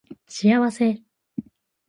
幸せ